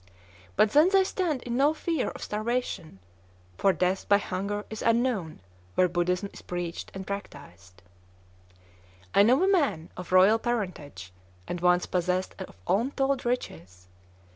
But then they stand in no fear of starvation; for death by hunger is unknown where Buddhism is preached and practised. "I know a man, of royal parentage, and once possessed of untold riches.